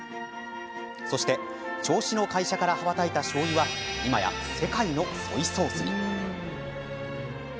そして、銚子の会社から羽ばたいた、しょうゆは今や世界のソイソースに。